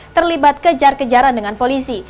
terlibat kejar kejaran dengan polisi